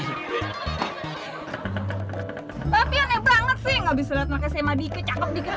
tapi aneh banget sih nggak bisa liat nanti saya emas dikit cakep dikit